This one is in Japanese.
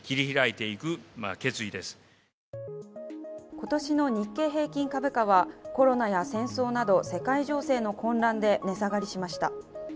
今年の日経平均株価は、コロナや戦争など世界情勢の混乱で値下がりしました。